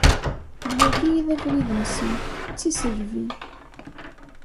D wagi i d abrid-nsen: d tiselbi.